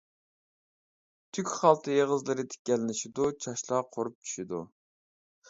تۈك خالتا ئېغىزلىرى تىكەنلىشىدۇ، چاچلار قۇرۇپ چۈشىدۇ.